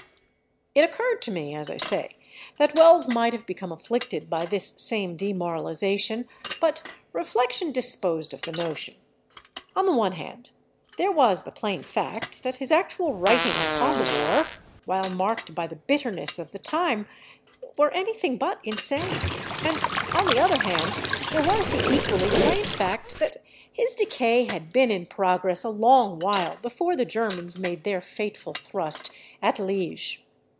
It occurred to me, as I say, that Wells might have become afflicted by this same demoralization, but reflection disposed of the notion. On the one hand, there was the plain fact that his actual writings on the war, while marked by the bitterness of the time, were anything but insane, and on the other hand there was the equally plain fact that his decay had been in progress a long while before the Germans made their fateful thrust at Liége.